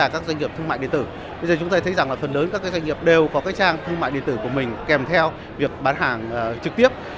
các doanh nghiệp thương mại điện tử đều có trang thương mại điện tử của mình kèm theo việc bán hàng trực tiếp